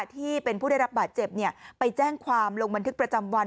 ที่เป็นผู้ได้รับบาดเจ็บไปแจ้งความลงบันทึกประจำวัน